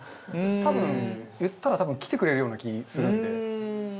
多分言ったら多分来てくれるような気するんで。